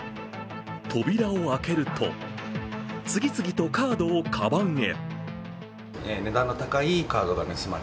扉を開けると、次々とカードをかばんへ。